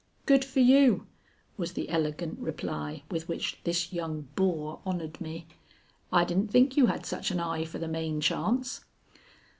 "Good for you!" was the elegant reply with which this young boor honored me. "I didn't think you had such an eye for the main chance."